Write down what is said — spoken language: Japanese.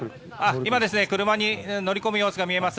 今、車に乗り込む様子が見られます。